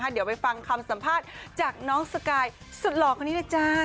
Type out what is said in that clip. เดี๋ยวไปฟังคำสัมภาษณ์จากน้องสกายสุดหล่อคนนี้เลยจ้า